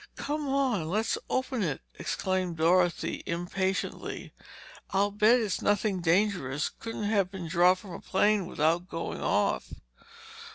"Come on—let's open it," exclaimed Dorothy impatiently. "I'll bet it's nothing dangerous. Couldn't have been dropped from a plane without going off!"